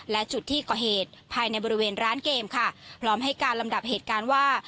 และจุดที่ก่อเหตุภายในบริเวณร้านเกมค่ะพร้อมให้การลำดับเหตุการณ์ว่า